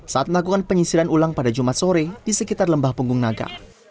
saat melakukan penyisiran ulang pada jumat sore di sekitar lembah punggung naga